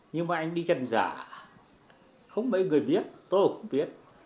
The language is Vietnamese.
nhưng mà anh đi trần giả không mấy người biết tôi cũng biết